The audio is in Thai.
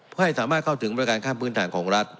เพื่อให้สามารถเข้าถึงบริการข้ามพื้นฐานของรัฐ